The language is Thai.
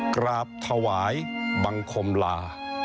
กราบถวายบังคมลา